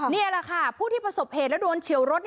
นี่แหละค่ะผู้ที่ประสบเหตุแล้วโดนเฉียวรถ